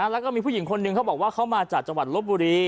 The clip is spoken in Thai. แล้วก็มีผู้หญิงคนหนึ่งเขาบอกว่าเขามาจากจังหวัดลบบุรี